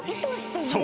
［そう。